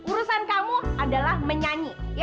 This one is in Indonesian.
urusan kamu adalah menyanyi